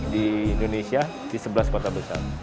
di indonesia di sebelas kota besar